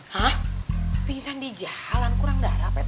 hah pingsan di jalan kurang darah apa itu